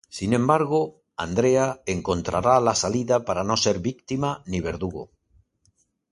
Sin embargo, Andrea encontrará la salida para no ser víctima ni verdugo.